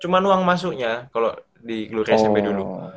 cuma uang masuknya kalau di kelurahan smp dulu